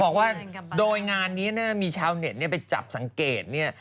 บอกว่าโดยงานนี้นะมีชาวเน็ตไปจับสังเกตเนี่ย